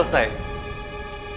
dan sendirian pun